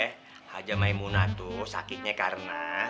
hajamai munatu sakitnya karena